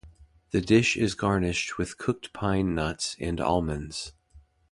The dish is garnished with cooked pine nuts and almonds.